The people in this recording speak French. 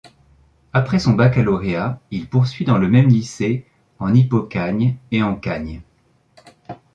Après son baccalauréat, il poursuit dans le même lycée en hypokhâgne et en khâgne.